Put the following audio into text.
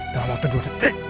dalam waktu dua detik